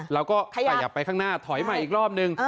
แล้วก็ขยับไปข้างหน้าถอยใหม่อีกรอบนึง